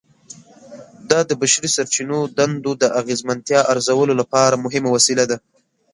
دا د بشري سرچینو دندو د اغیزمنتیا ارزولو لپاره مهمه وسیله ده.